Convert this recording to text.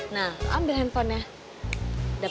nah ambil handphonenya